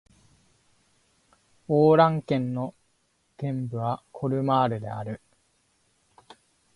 オー＝ラン県の県都はコルマールである